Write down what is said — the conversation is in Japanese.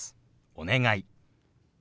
「お願い」。